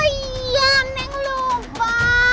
iya nenek lupa